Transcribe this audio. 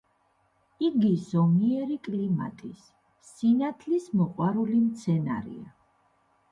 იგი ზომიერი კლიმატის, სინათლის მოყვარული მცენარეა.